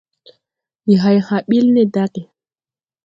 Ndi hay hã bil ne daʼge.